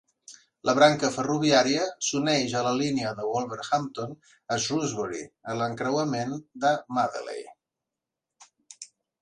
La branca ferroviària s'uneix a la línia de Wolverhampton a Shrewsbury en l'encreuament de Madeley.